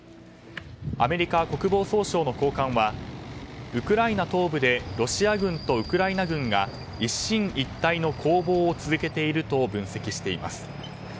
アメリカ国防総省の高官はウクライナ東部でロシア軍とウクライナ軍が一進一退の攻防を続けていると分析しています。